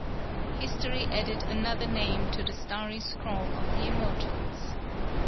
"History added another name to the starry scroll of the immortals.